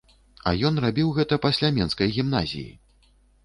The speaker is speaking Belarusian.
А ён рабіў гэта пасля менскай гімназіі!